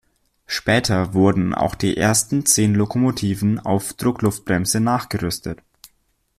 Später wurden auch die ersten zehn Lokomotiven auf Druckluftbremse nachgerüstet.